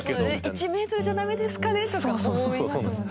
「１ｍじゃ駄目ですかね？」とか思いますもんね。